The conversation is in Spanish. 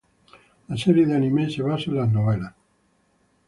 La serie de anime se basa en las novelas.